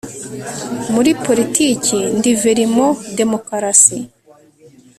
Muri politiki Ndi Vermont Demokarasi